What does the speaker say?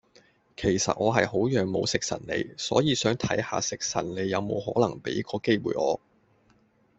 其實我係好仰慕食神你，所以想睇嚇食神你有冇可能畀個機會我